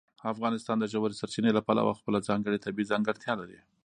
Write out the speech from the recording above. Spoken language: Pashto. افغانستان د ژورې سرچینې له پلوه خپله ځانګړې طبیعي ځانګړتیا لري.